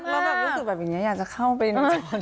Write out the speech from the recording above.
ก็คือแบบนี้อยากจะเข้าไปหนูจอดีกว่า